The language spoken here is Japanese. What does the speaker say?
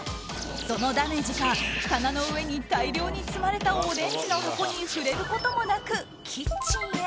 そのダメージか、棚の上に大量に積まれたオレンジの箱に触れることもなくキッチンへ。